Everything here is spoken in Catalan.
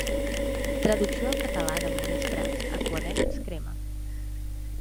Traducció al català de Modest Prats a Quaderns Crema.